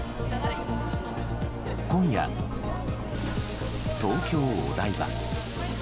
今夜、東京・お台場。